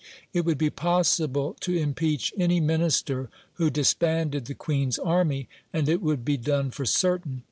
It would be possible to impeach any Minister who disbanded the Queen's army, and it would be done for certain.